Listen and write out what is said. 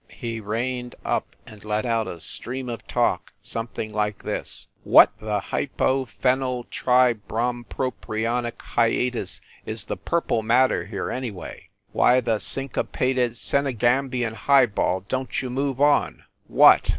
He reined up, and let out a stream of talk, something like this : "What the hypo fenyltry brom propionic hiatus is the purple matter here, anyway? Why the syn . copated, Senegambian high ball don t you move on, what?"